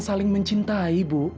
saling mencintai bu